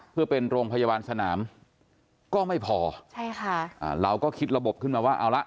เพื่อเป็นโรงพยาบาลสนามก็ไม่พอใช่ค่ะอ่าเราก็คิดระบบขึ้นมาว่าเอาละ